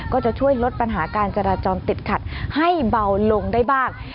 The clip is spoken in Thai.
ก็จะช่วยลดปัญหาการจราจรติดขัดให้เบาลงได้บ้าง